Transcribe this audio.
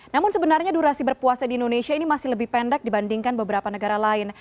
namun sebenarnya durasi berpuasa di indonesia ini masih lebih pendek dibandingkan beberapa negara lain